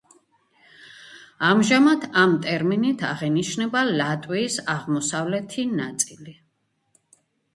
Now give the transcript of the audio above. ამჟამად ამ ტერმინით აღინიშნება ლატვიის აღმოსავლეთი ნაწილი.